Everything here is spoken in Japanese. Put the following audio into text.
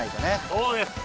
そうです！